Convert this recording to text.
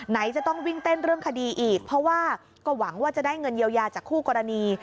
ไหนจะต้องวิ่งเต้นเรื่องคดีอีกเพราะว่าก็หวังว่าจะได้เงินเยียวยาจากคู่กรณี